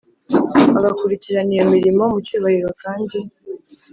agakurikirana iyo mirimo mu cyubahiro kandi